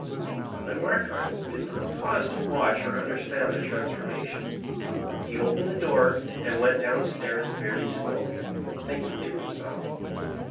But Markheim did not pause to watch or understand the transformation. He opened the door and went down stairs very slowly, thinking to him self.